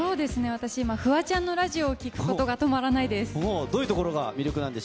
私、今、フワちゃんのラジオを聴くことが止まらないです。